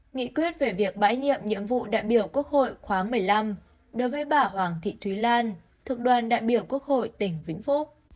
nghị quyết về việc bãi nhiệm nhiệm vụ đại biểu quốc hội khóa một mươi năm đối với bà hoàng thị thúy lan thuộc đoàn đại biểu quốc hội tỉnh vĩnh phúc